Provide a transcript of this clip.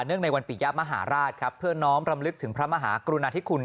ในวันปิยะมหาราชครับเพื่อน้อมรำลึกถึงพระมหากรุณาธิคุณ